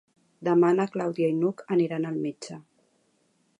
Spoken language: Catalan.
Demà na Clàudia i n'Hug aniran al metge.